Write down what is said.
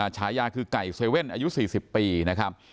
ฉายาคือไก่เซเว่นอายุ๔๐ปีนะครับ